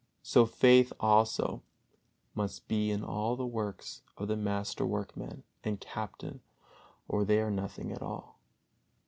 So faith also must be in all works the master workman and captain, or they are nothing at all.